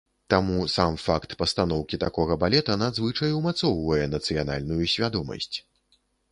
Таму сам факт пастаноўкі такога балета надзвычай умацоўвае нацыянальную свядомасць.